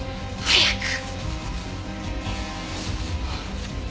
早く！